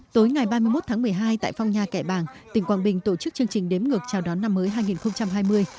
tối ngày ba mươi một tháng một mươi hai tại phong nha kẻ bàng tỉnh quảng bình tổ chức chương trình đếm ngược chào đón năm mới hai nghìn hai mươi